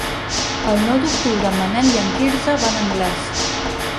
El nou d'octubre en Manel i en Quirze van a Anglès.